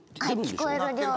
はい聞こえる量。